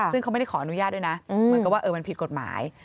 ซึ่งเขาไม่ได้ขออนุญาตด้วยนะเหมือนกับว่ามันผิดกฎหมาย